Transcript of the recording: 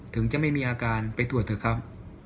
ถึงจะไม่มีอาการไปตรวจเถอะครับ